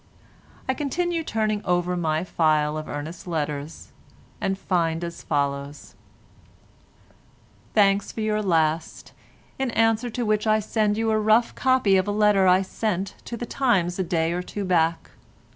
I continue turning over my file of Ernest's letters and find as follows— "Thanks for your last, in answer to which I send you a rough copy of a letter I sent to the Times a day or two back.